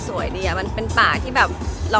สถานที่คุณไปที่นี่